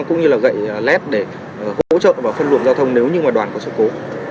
cũng như là gậy lét để hỗ trợ và phân luồng giao thông nếu như mà đoàn có sự cố